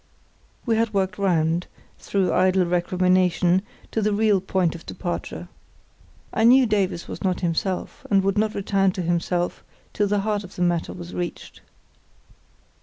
We had worked round, through idle recrimination, to the real point of departure. I knew Davies was not himself, and would not return to himself till the heart of the matter was reached.